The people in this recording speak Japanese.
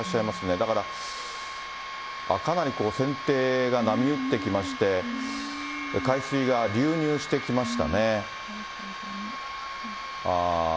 だから、あっ、かなり船底が波打ってきまして、海水が流入してきましたね。